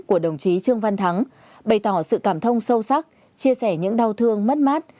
của đồng chí trương văn thắng bày tỏ sự cảm thông sâu sắc chia sẻ những đau thương mất mát